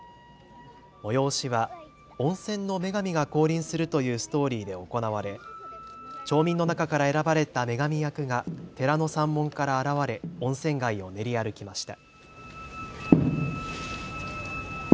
催しは温泉の女神が降臨するというストーリーで行われ町民の中から選ばれた女神役が寺の山門から現れ温泉街を練り歩きました。